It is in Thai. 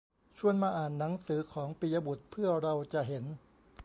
ชวนมาอ่านหนังสือของปิยบุตรเพื่อเราจะเห็น